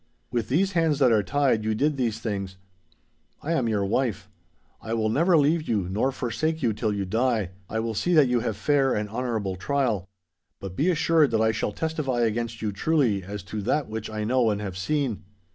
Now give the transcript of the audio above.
With these hands that are tied, you did these things. I am your wife. I will never leave you nor forsake you till you die. I will see that you have fair and honourable trial; but be assured that I shall testify against you truly as to that which I know and have seen.